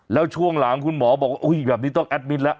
แล้วช่วงหลังคุณหมอบอกว่าแบบนี้ต้องแอดมิตรแล้ว